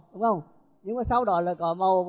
đúng không nhưng mà sau đó là có màu